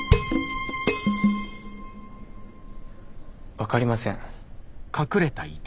分かりません。